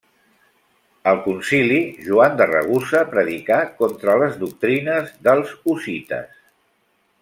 Al Concili Joan de Ragusa predicà contra les doctrines dels hussites.